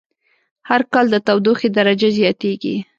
هر کال د تودوخی درجه زیاتیږی